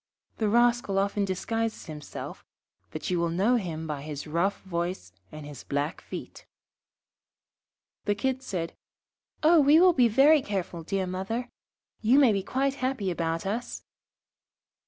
The rascal often disguises himself, but you will know him by his rough voice and his black feet.' The Kids said, 'Oh, we will be very careful, dear mother. You may be quite happy about us.'